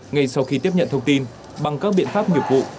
ngay sau khi tiếp nhận thông tin bằng các biện pháp nghiệp vụ